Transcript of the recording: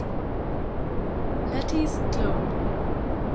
LETTY'S GLOBE.